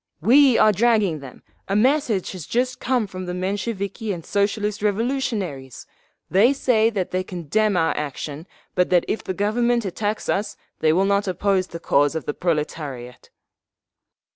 "We are dragging them! A message has just come from the Mensheviki and Socialist Revolutionaries! They say that they condemn our action, but that if the Government attacks us they will not oppose the cause of the proletariat!"